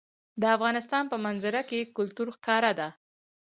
د افغانستان په منظره کې کلتور ښکاره ده.